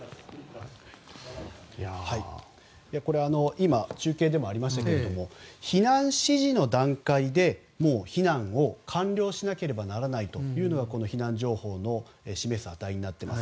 今、中継でもありましたが避難指示の段階でもう避難を完了しなければならないというのがこの避難情報の示す値になっています。